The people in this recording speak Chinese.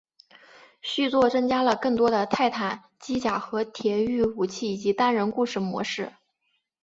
续作增加了更多的泰坦机甲和铁驭武器以及单人故事模式。